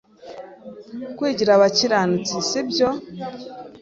Kwigira abakiranutsi sibyo